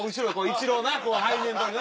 イチローな背面とりな。